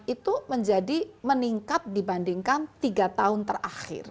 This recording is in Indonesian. itu menjadi meningkat dibandingkan tiga tahun terakhir